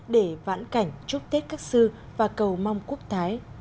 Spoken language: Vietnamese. để vãn cảnh chúc tết các sư và cầu mong quốc thái